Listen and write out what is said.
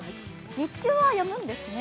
日中はやむんですね？